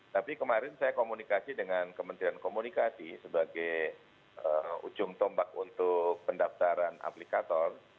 tapi kemarin saya komunikasi dengan kementerian komunikasi sebagai ujung tombak untuk pendaftaran aplikator